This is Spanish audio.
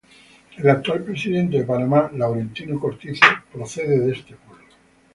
El actual presidente de Panamá, Laurentino Cortizo, procede de este pueblo.